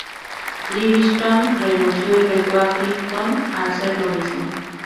Livingston renunció y retó a Clinton a hacer lo mismo.